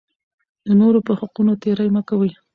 د نورو په حقونو تېری مه کوئ.